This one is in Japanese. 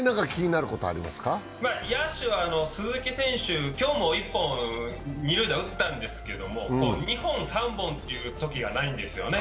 野手は鈴木選手、今日も１本、二塁打を打ったんですけど２本、３本というときがないんですよね。